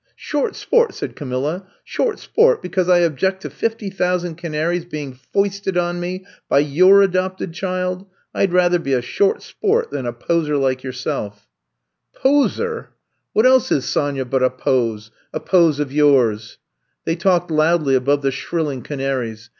'' Short sport!'* said Camilla. Short sport because I object to fifty thousand canaries being foisted on me by your adopted child. I 'd rather be a short sport than a poseur like yourself. '* 138 I'VE COMB TO STAY Poseur!" What else is Sonya but a pose — ^a pose of yours !'' They talked loudly above the shrilling canaries.